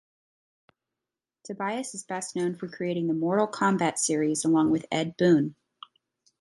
Tobias is best known for creating the "Mortal Kombat" series along with Ed Boon.